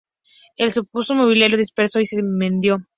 El suntuoso mobiliario se dispersó y se vendió.